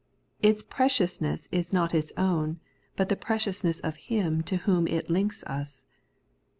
Its preciousness is not its own, but the preciousness of Him to whom it links us.